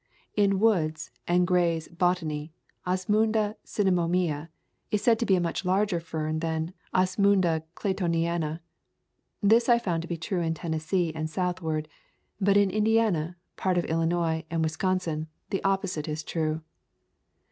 In Wood's* and Gray's Botany Osmunda cinnamomea is said to be a much larger fern than Osmunda Claytoniana, This I found to be true in Tennessee and southward, but in Indiana, part of Illinois, and Wisconsin the opposite is true.